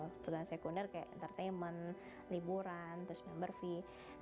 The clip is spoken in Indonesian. sebutan sekunder kayak entertainment liburan terus member fee